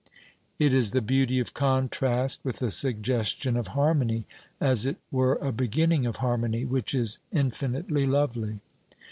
It is the beauty of contrast, with a suggestion of harmony as it were a beginning of harmony which is infinitely lovely.